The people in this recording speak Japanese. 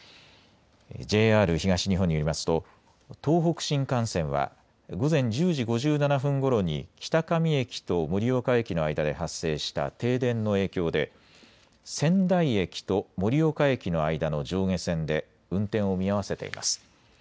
ＪＲ東日本によりますと東北新幹線は午前１０時５７分ごろに北上駅と盛岡駅の間で発生した停電の影響で仙台駅と盛岡駅の間の上下線で運転を見合わせています。